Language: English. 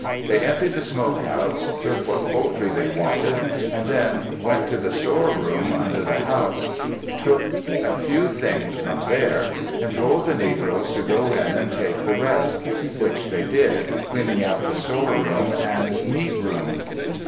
They emptied the smokehouse; took what poultry they wanted, and then went to the store room under the house, took a few things from there and told the negroes to go in and take the rest; which they did, cleaning out the store room and meat room.